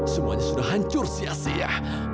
semuanya sudah hancur sia sia